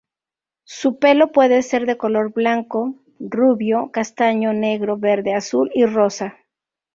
Su pelo puede ser de color blanco, rubio, castaño, negro, verde, azul y rosa.